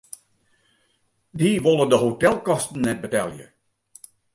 Dy wolle de hotelkosten net betelje.